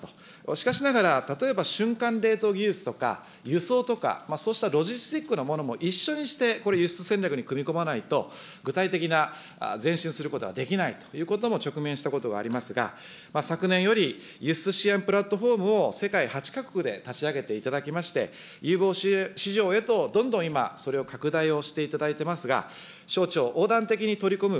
しかしながら、例えば瞬間冷凍技術とか輸送とか、そうしたロジスティックなものも一緒にして、これ、輸出戦略に組み込まないと、具体的な前進することはできないということも直面したことがありますが、昨年より輸出支援プラットフォームを世界８か国で立ち上げていただきまして、有望市場へとどんどん今、それを拡大をしていただいていますが、省庁横断的に取り組む